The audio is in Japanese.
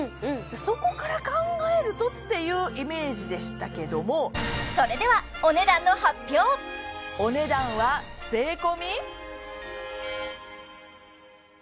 そこから考えるとっていうイメージでしたけどもそれではお値段はえーっ！